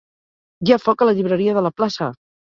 Hi ha foc a la llibreria de la plaça!